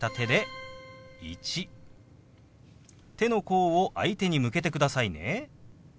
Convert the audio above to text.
手の甲を相手に向けてくださいね。